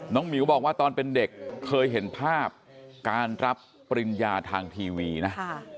หมิวบอกว่าตอนเป็นเด็กเคยเห็นภาพการรับปริญญาทางทีวีนะ